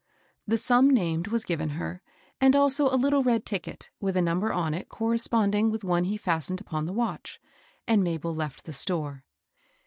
The sum named was given her, and also a little red ticket, with a number on it corresponding with one he fastened upon the watch, and Mabel left the store.